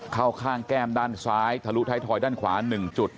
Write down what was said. เข้าข้างแก้มด้านซ้ายทะลุท้ายทอยด้านขวา๑จุด